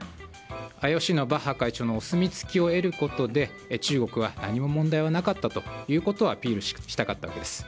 ＩＯＣのバッハ会長のお墨付きを得ることで中国は何も問題がなかったということをアピールしたかったわけです。